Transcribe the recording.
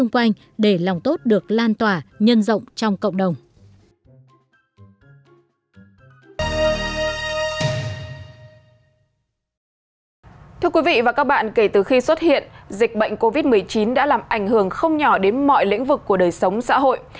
thưa quý vị và các bạn kể từ khi xuất hiện dịch bệnh covid một mươi chín đã làm ảnh hưởng không nhỏ đến mọi lĩnh vực của đời sống xã hội